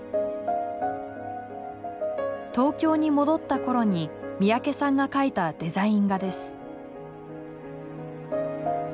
東京に戻った頃に三宅さんが描いたデザイン画です。